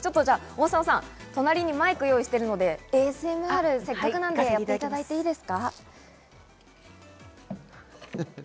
大沢さん、隣にマイクを用意しているので、ＡＳＭＲ、せっかくなのでやっていただいていいですか？